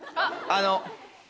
あの。